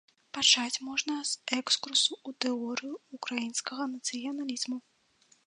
Пачаць можна з экскурсу ў тэорыю ўкраінскага нацыяналізму.